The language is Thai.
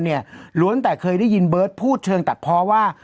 ล้วนแต่เคยได้ยินเบิร์ตพูดเชิงตัดเพราะว่า